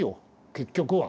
結局は。